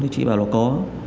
chị bảo là có